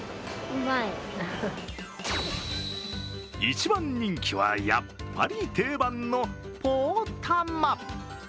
一番人気はやっぱり定番のポーたま。